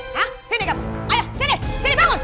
hah sini kamu ayo sini sini bangun